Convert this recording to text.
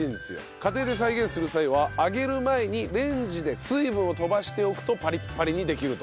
家庭で再現する際は揚げる前にレンジで水分を飛ばしておくとパリッパリにできると。